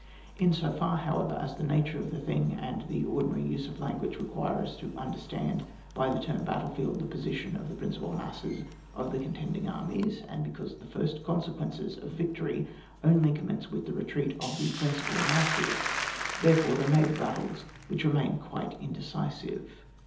In so far, however, as the nature of the thing, and the ordinary use of language require us to under stand by the term battiefield, the po sition of the principal masses of the con tending armies, and because the first consequences of victory only conmience with the retreat of the principal masseSf therefore there may be battles which remain quite indecisive.